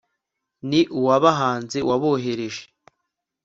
n'uwabahanze wabohereje